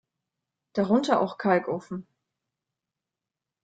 Darunter auch Kalkofen.